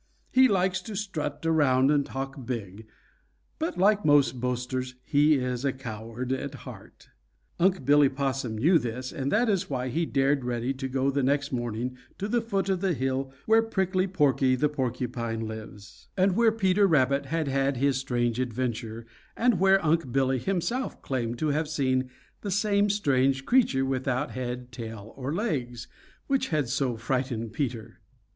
He likes to strut around and talk big. But like most boasters, he is a coward at heart. Unc' Billy Possum knew this, and that is why he dared Reddy to go the next morning to the foot of the hill where Prickly Porky the Porcupine lives, and where Peter Rabbit had had his strange adventure, and where Unc' Billy himself claimed to have seen the same strange creature without head, tail, or legs which had so frightened Peter.